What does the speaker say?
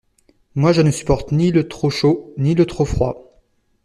Moi, je ne supporte ni le trop chaud, ni le trop froid.